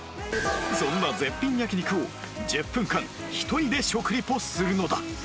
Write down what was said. そんな絶品焼肉を１０分間１人で食リポするのだ